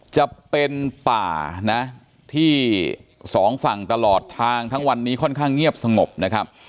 จะเป็นป่านะที่สองฝั่งตลอดทางทั้งวันนี้ค่อนข้างเงียบสงบนะครับ